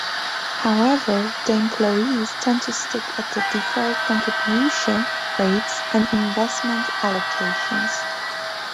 However, the employees tend to stick at the default contribution rates and investment allocations.